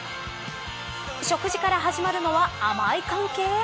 食事から始まるのは甘い関係。